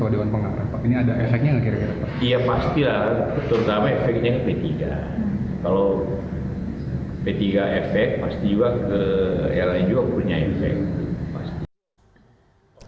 kalau p tiga efek pasti juga rni juga punya efek